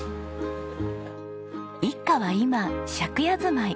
一家は今借家住まい。